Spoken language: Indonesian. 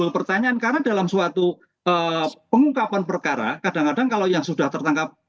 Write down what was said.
pertanyaan karena dalam suatu pengungkapan perkara kadang kadang kalau yang sudah tertangkap